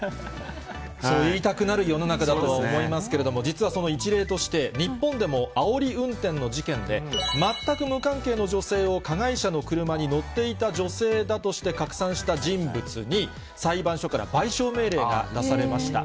そう言いたくなる世の中だと思いますけれども、実はその一例として、日本でもあおり運転の事件で、全く無関係の女性を加害者の車に乗っていた女性だとして拡散した人物に、裁判所から賠償命令が出されました。